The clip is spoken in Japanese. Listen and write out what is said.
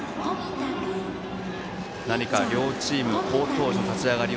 両チーム、好投手の立ち上がり